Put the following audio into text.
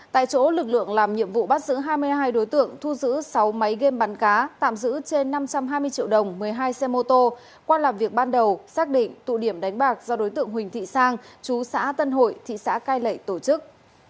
tại chỗ lực lượng làm nhiệm vụ bắt giữ hai mươi hai đối tượng thu giữ sáu máy game bắn cá tạm giữ trên năm trăm hai mươi triệu đồng một mươi hai xe mô tô qua làm việc ban đầu xác định tụ điểm đánh bạc do đối tượng huỳnh thị sang chú xã tân hội thị xã cai lệ tổ chức